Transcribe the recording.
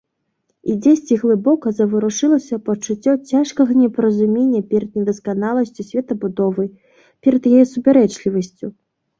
І дзесьці глыбока заварушылася пачуццё цяжкага непаразумення перад недасканаласцю светабудовы, перад яе супярэчлівасцю.